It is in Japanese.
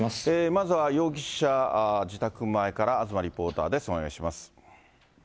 まずは容疑者自宅前から東リポーターです、お願いします。